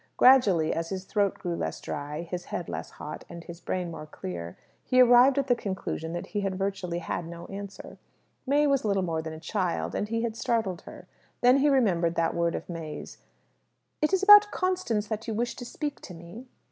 Gradually, as his throat grew less dry, his head less hot, and his brain more clear, he arrived at the conclusion that he had virtually had no answer. May was little more than a child, and he had startled her. Then he remembered that word of May's, "It is about Constance you wish to speak to me."